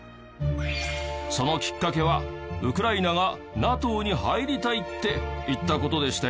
そのきっかけはウクライナがＮＡＴＯに入りたいって言った事でしたよね。